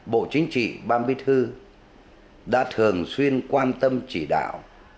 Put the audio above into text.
bộ chính trị ban bí thư đã thường xuyên quan tâm chỉ đạo